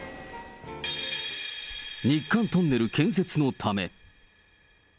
日韓トンネル建設のため。